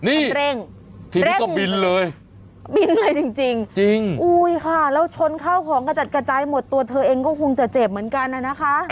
คันเร่งทีแรกก็บินเลยบินเลยจริงจริงอุ้ยค่ะแล้วชนเข้าของกระจัดกระจายหมดตัวเธอเองก็คงจะเจ็บเหมือนกันน่ะนะคะ